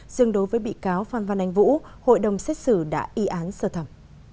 dương đối với bị cáo phan văn anh vũ hội đồng xét xử đã y án sơ thẩm